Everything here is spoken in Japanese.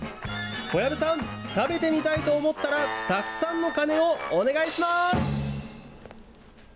小籔さん、食べてみたいと思ったら、たくさんの鐘をお願いします。